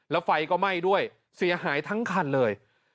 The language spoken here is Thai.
แล้วไฟก็ไหม้ด้วยเสียหายทั้งคันเลย